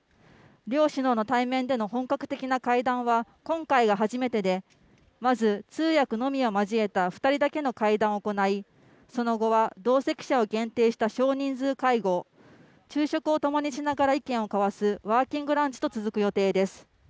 両首脳の対面での本格的な会談は今回が初めてで、まず通訳のみを交えた２人だけの会談を行いその後は同席者を限定した少人数会合、昼食をともにしながら意見を交わすワーキングランチと続く予定です。